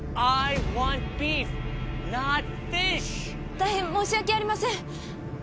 大変申し訳ありません！